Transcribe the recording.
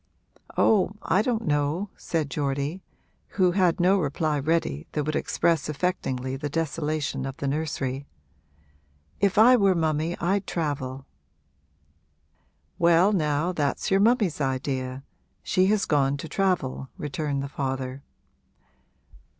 'Oh, I don't know,' said Geordie, who had no reply ready that would express affectingly the desolation of the nursery. 'If I were mummy I'd travel.' 'Well now that's your mummy's idea she has gone to travel,' returned the father.